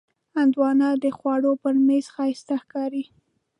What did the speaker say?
هندوانه د خوړو پر میز ښایسته ښکاري.